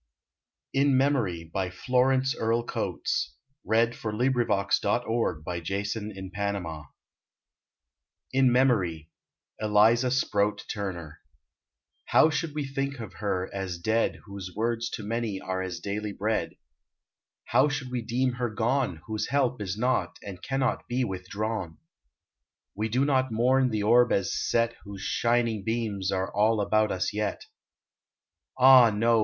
Coos to her mate, but sings the world no song ! Ill IN MEMORY ELIZA SPROAT TURNER T T ow should we think of her as dead Whose words to many are as daily bread ? How should we deem her gone Whose help is not, and cannot be, withdrawn ? We do not mourn the orb as set Whose shining beams are all about us yet ! Ah, no